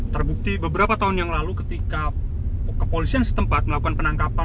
terbukti beberapa tahun yang lalu ketika kepolisian setempat melakukan penangkapan